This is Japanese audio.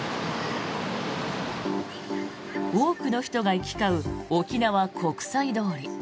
多くの人が行き交う沖縄・国際通り。